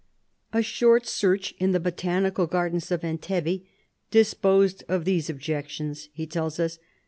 "A short search in the Botanical Gardens of Entebbe disposed of these objec tions," he tells us.